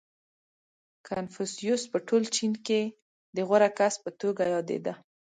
• کنفوسیوس په ټول چین کې د غوره کس په توګه یادېده.